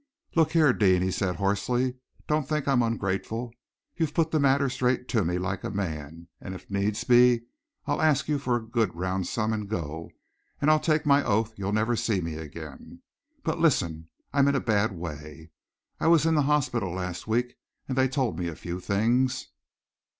"Look here, Deane," he said hoarsely, "don't think I am ungrateful. You've put the matter straight to me like a man, and, if needs be, I'll ask you for a good round sum and go, and I'll take my oath you'll never see me again. But listen. I am in a bad way. I was in the hospital last week, and they told me a few things."